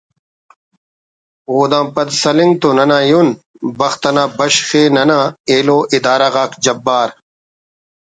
او دا پد سلنگ تو ننا ایہن بخت انا بشخءِ ننا ایلو ادارہ غاک جبار